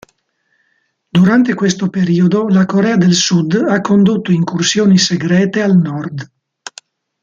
Durante questo periodo la Corea del Sud ha condotto incursioni segrete al nord.